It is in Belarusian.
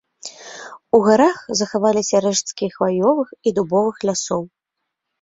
У гарах захаваліся рэшткі хваёвых і дубовых лясоў.